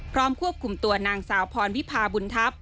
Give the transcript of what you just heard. ควบคุมตัวนางสาวพรวิพาบุญทัพ